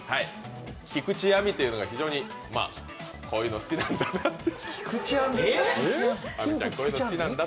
菊地亜美というのが非常に、こういうの好きなんだなって。